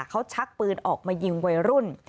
เขาชักปืนออกมายิงวัยรุ่น